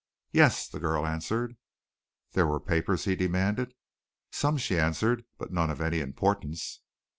"Yes!" the girl answered. "There were papers?" he demanded. "Some," she answered, "but none of any importance."